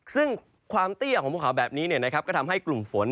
ซึ่งความเตี้ยของภูเขาแบบนี้ก็ทำให้กลุ่มฝน